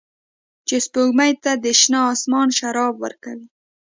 چې سپوږمۍ ته د شنه اسمان شراب ورکوي